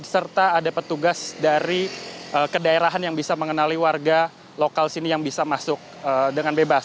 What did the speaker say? serta ada petugas dari kedaerahan yang bisa mengenali warga lokal sini yang bisa masuk dengan bebas